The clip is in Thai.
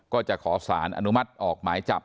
ก็จะขอสารอนุมัติออกหมายจับ